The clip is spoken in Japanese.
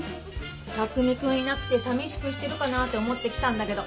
巧君いなくてさみしくしてるかなって思って来たんだけど。